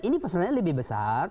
ini perseruan lebih besar